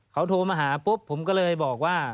เขาโทรมาหาปุ๊บผมก็เลยบอกว่า